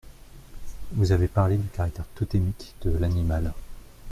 Vous avez parlé du caractère totémique de l’animal.